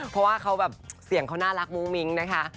เพราะว่าเสียงเขาน่ารักตรฟิมิ้งนะคะ